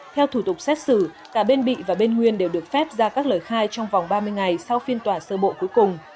theo thủ tục xét xử cả bên bị và bên nguyên đều được phép ra các lời khai trong vòng ba mươi ngày sau phiên tòa sơ bộ cuối cùng